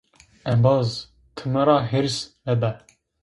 Embaz tı mı ra hêrs mebe.